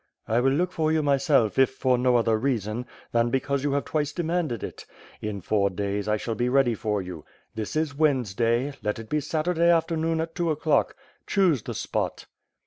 "I will look for you myself, if for no other reason, than be cause you have twice demanded it. In four days, I shall be ready for you. This is Wednesday — ^let it be Saturday after noon at two o'clock. Choose the spot."